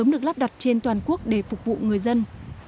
được lắp đặt trên toàn quốc để phục vụ người dân